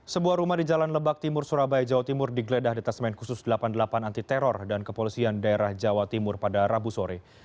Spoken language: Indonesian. sebuah rumah di jalan lebak timur surabaya jawa timur digeledah di tasmen khusus delapan puluh delapan anti teror dan kepolisian daerah jawa timur pada rabu sore